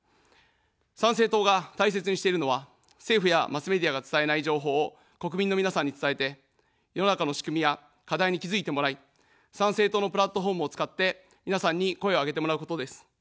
参政党が大切にしているのは、政府やマスメディアが伝えない情報を国民の皆さんに伝えて、世の中の仕組みや課題に気づいてもらい、参政党のプラットフォームを使って皆さんに声を上げてもらうことです。